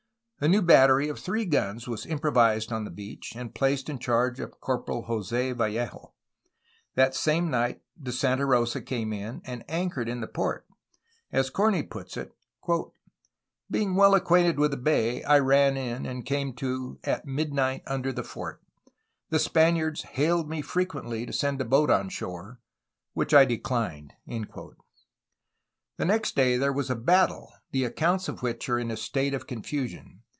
A new battery of three guns was improvised on the beach, and placed in charge of Corporal Jos6 Vallejo. That same night the Santa Rosa came in, and anchored in the port. As Corney puts it: "Being well acquainted with the bay, I ran in and came to at midnight under the fort. The Spaniards hailed me frequently to send a boat on shore, which I declined." The next day there was a battle, the accounts of which are in a state of confusion.